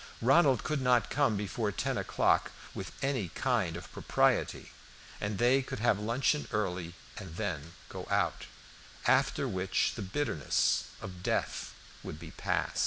Ronald could not come before ten o'clock with any kind of propriety, and they could have luncheon early and then go out; after which the bitterness of death would be past.